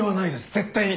絶対に！